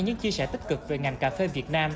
những chia sẻ tích cực về ngành cà phê việt nam